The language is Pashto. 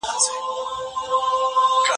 څونه خوند څنګه مو خيال وو